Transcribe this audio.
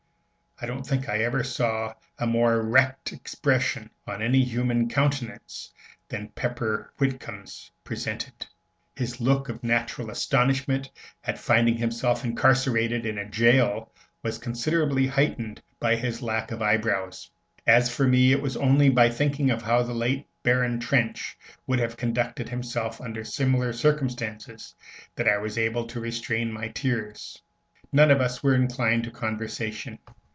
I don't think I ever saw a more "wrecked" expression on any human countenance than Pepper Whitcomb's presented. His look of natural astonishment at finding himself incarcerated in a jail was considerably heightened by his lack of eyebrows. As for me, it was only by thinking how the late Baron Trenck would have conducted himself under similar circumstances that I was able to restrain my tears. None of us were inclined to conversation.